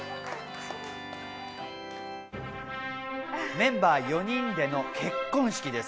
メンバー４人での結婚式です。